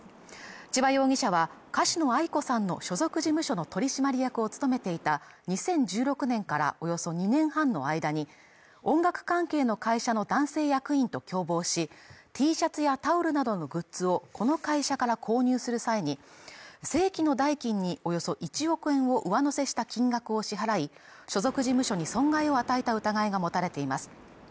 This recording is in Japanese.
千葉容疑者は歌手のａｉｋｏさんの所属事務所の取締役を務めていた２０１６年からおよそ２年半の間に音楽関係の会社の男性役員と共謀しＴシャツやタオルなどのグッズをこの会社から購入する際に正規の代金におよそ１億円を上乗せした金額を支払い所属事務所に損害を与えた疑いが持たれています